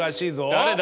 誰だ？